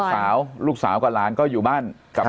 ส่วนลูกสาวก็ล้านก็อยู่บ้าน